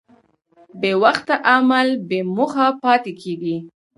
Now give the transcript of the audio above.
بېوخته عمل بېموخه پاتې کېږي.